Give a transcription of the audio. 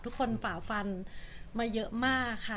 ทุกคนฝาวฟันมาเยอะมากค่ะ